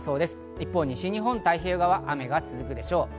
一方、西日本、太平洋側では雨が続くでしょう。